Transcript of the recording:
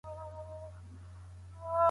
لا اله الا الله ووایئ.